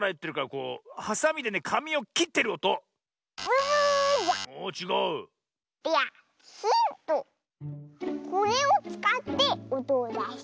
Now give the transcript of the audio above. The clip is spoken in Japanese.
これをつかっておとをだしておるぞ。